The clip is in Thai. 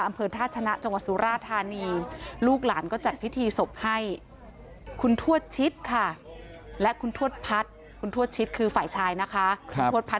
อำเภอธาชนะจังหวัดสุราชธานีอายุลูกหลานก็จัดพิธีศพให้คุณทวชชิศค่ะและคุณทวชภัทรทวิทธชิคห์ฝ่ายชายนะคะครับ